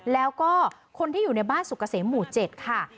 แล้วก็คนที่อยู่ในบ้านสุกเกษมหมู่๗ค่ะ